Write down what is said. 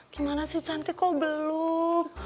gimana sih cantik kok belum